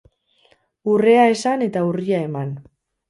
Urrea esan eta urria eman.